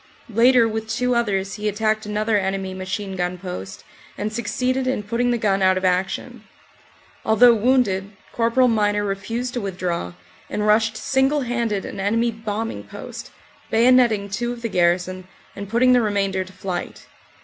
Later, with two others, he attacked another enemy machine gun post and suc ceeded in putting the gun out of action. Although wounded, Cpl. Miner refused to withdraw, and rushed single handed an enemy bombing post, bayonetting two of the garrison and put ting the remainder to flight.